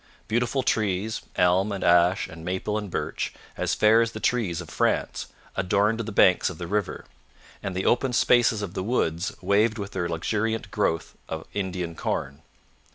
Beautiful trees elm and ash and maple and birch, as fair as the trees of France adorned the banks of the river, and the open spaces of the woods waved with the luxuriant growth of Indian corn.